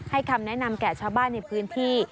คำแนะนำแก่ชาวบ้านในพื้นที่